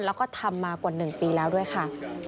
แล้วก็ทำมากว่า๑ปีแล้วด้วยค่ะ